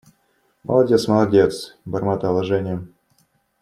Молодец, молодец… – бормотала Женя.